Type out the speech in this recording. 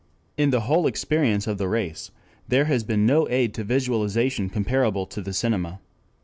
In the whole experience of the race there has been no aid to visualization comparable to the cinema.